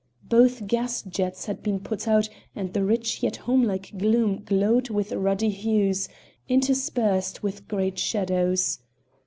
Both gas jets had been put out and the rich yet home like room glowed with ruddy hues, interspersed with great shadows.